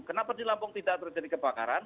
kenapa di lampung tidak terjadi kebakaran